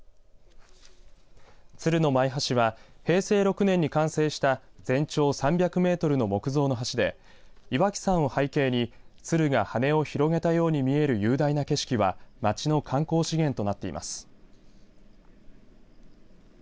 鶴の舞橋は平成６年に完成した全長３００メートルの木造の橋で岩木山を背景に鶴が羽を広げたように見える雄大な景色は町の観光資源となっています。